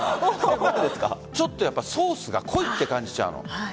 ちょっとソースが濃いと感じちゃうの。